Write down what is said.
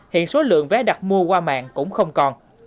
hiện số lượng vé đặt mua qua mạng cũng không còn